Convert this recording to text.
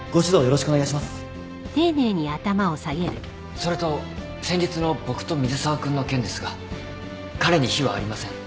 それと先日の僕と水沢君の件ですが彼に非はありません。